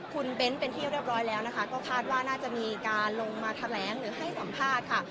คุณเบ้นเป็นที่เรียบร้อยแล้วนะคะก็คาดว่าน่าจะมีการลงมาแถลงหรือให้สัมภาษณ์ค่ะ